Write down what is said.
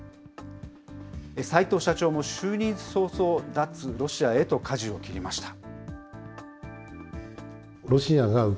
齊藤社長も就任早々、脱ロシアへとかじを切りました。